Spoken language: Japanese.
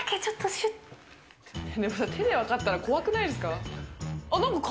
手で分かったら怖くないですか？